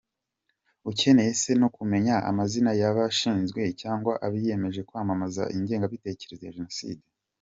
Ukeneye se no kumenya amazina y’abashinzwe cyangwa abiyemeje kwamamaza ingengabitekerezo ya jenoside ?